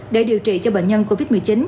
để điều trị cho bệnh nhân covid một mươi chín